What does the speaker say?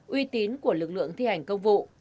uy tín của lực lượng thi hành công vụ